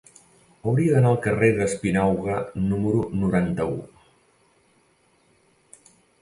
Hauria d'anar al carrer d'Espinauga número noranta-u.